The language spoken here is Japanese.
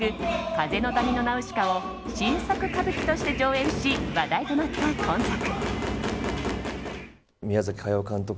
「風の谷のナウシカ」を新作歌舞伎として上演し話題となった今作。